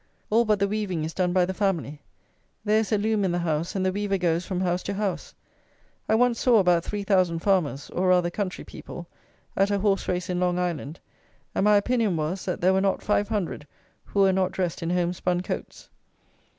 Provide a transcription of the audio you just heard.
All but the weaving is done by the family. There is a loom in the house, and the weaver goes from house to house. I once saw about three thousand farmers, or rather country people, at a horse race in Long Island, and my opinion was, that there were not five hundred who were not dressed in home spun coats.